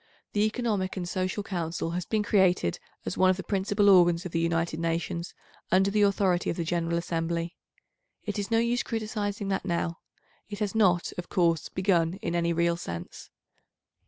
The Economic and Social Council has been created as one of the principal organs of the United Nations, under the authority of the General Assembly. It is no use criticising that now; it has not, of course, begun in any real sense.